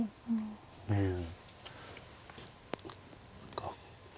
うん。